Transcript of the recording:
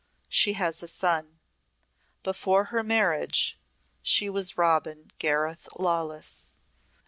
She has a son. Before her marriage she was Robin Gareth Lawless."